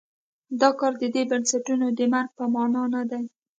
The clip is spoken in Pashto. دا کار د دې بنسټونو د مرګ په معنا نه دی.